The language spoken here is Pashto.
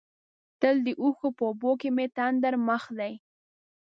تل د اوښکو په اوبو کې مې تندر مخ دی.